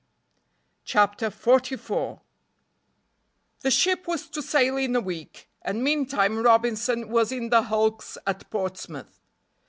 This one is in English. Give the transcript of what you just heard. CHAPTER XLIV THE ship was to sail in a week, and meantime Robinson was in the hulks at Portsmouth.